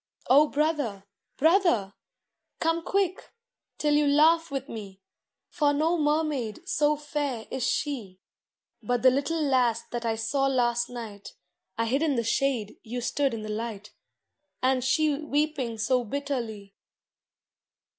O brother, brother, come quick, till you laugh with me, For no mermaid so fair is she. But the little lass that I saw last night (I hid in the shade, you stood in the light). And she weeping so bitterly.